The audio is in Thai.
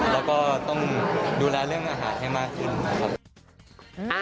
แล้วก็ต้องดูแลเรื่องอาหารให้มากขึ้นนะครับ